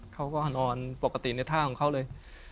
เขาก็นอนปกติในท่าของเขาเลย